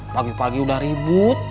pagi pagi udah ribut